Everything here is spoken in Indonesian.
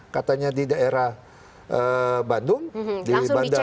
katanya di daerah bandung di bandara di cek